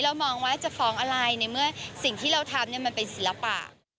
มองว่าจะฟ้องอะไรในเมื่อสิ่งที่เราทำมันเป็นศิลปะ